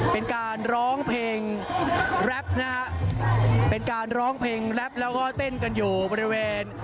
เป็นการร้องเพลงแรปนะฮะเป็นการร้องเพลงแรปแล้วก็เต้นกันอยู่บริเวณ